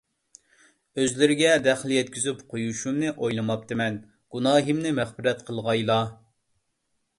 ئۆزلىرىگە دەخلى يەتكۈزۈپ قويۇشۇمنى ئويلىماپتىمەن. گۇناھىمنى مەغپىرەت قىلغايلا.